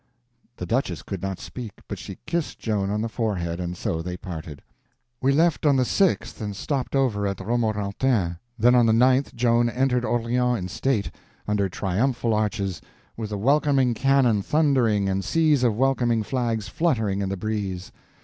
The duchess could not speak, but she kissed Joan on the forehead; and so they parted. We left on the 6th and stopped over at Romorantin; then on the 9th Joan entered Orleans in state, under triumphal arches, with the welcoming cannon thundering and seas of welcoming flags fluttering in the breeze.